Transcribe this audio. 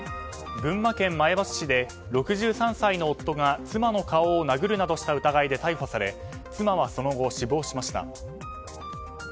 群馬県前橋市で６３歳の夫が妻の顔を殴るなどした疑いで逮捕され妻はその後、死亡しました。